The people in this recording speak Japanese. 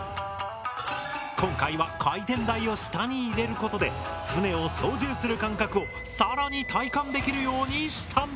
今回は回転台を下に入れることで舟を操縦する感覚を更に体感できるようにしたんだ。